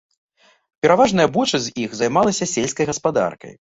Пераважная большасць з іх займалася сельскай гаспадаркай.